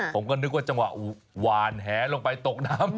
ผมก็นึกว่าจังหวะหวานแหลงไปตกน้ำ